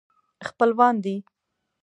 خپلوان دي.